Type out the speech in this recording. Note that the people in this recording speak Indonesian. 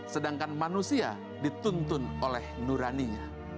sedangkan manusia dituntun oleh nuraninya